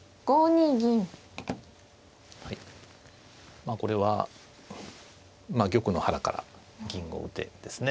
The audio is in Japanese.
まあこれは「玉の腹から銀を打て」ですね。